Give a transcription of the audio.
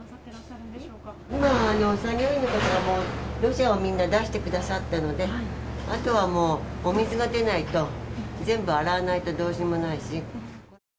今、作業員の方が、土砂をみんな出してくださったので、あとはもう、お水が出ないと、全部洗わないとどうしようもないし。